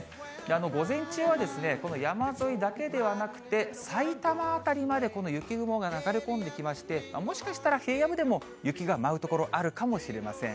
午前中はこの山沿いだけではなくて、埼玉辺りまでこの雪雲が流れ込んできまして、もしかしたら平野部でも雪が舞う所あるかもしれません。